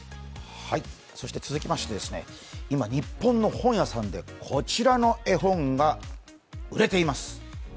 続きまして、日本の本屋さんでこちらの絵本が売れています。